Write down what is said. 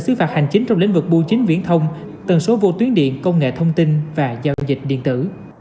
xứ phạt hành chính trong lĩnh vực bưu chính viễn thông tần số vô tuyến điện công nghệ thông tin và giao dịch điện tử